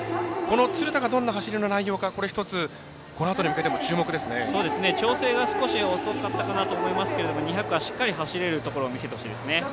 鶴田がどんな走りの内容か調整が少し遅かったかなと思いますけれども２００ｍはしっかり走れるところ見せてほしいです。